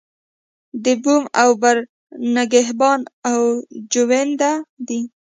د بوم او بر نگهبان او جوینده دی.